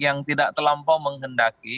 yang tidak terlampau menghendaki